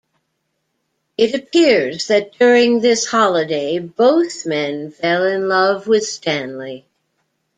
It appears that during this holiday, both men fell in love with Stanley.